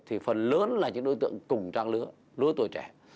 thì phần lớn là những đối tượng cùng trang lứa lứa tuổi trẻ